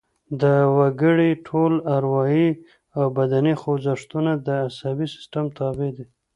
د وګړي ټول اروايي او بدني خوځښتونه د عصبي سیستم تابع دي